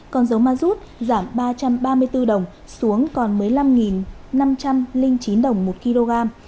còn dầu ma rút giảm ba trăm ba mươi bốn đồng xuống còn một mươi năm năm trăm linh chín đồng một kg